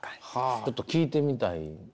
ちょっと聴いてみたい。